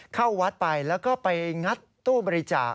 เข้าวัดไปแล้วก็ไปงัดตู้บริจาค